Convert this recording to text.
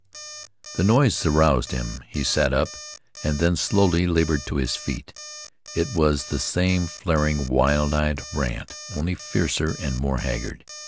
The noise aroused him; he sat up, and then slowly labored to his feet. It was the same flaring, wild eyed Brandt, only fiercer and more haggard.